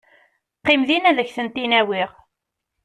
Qqim din ad ak-tent-in-awiɣ.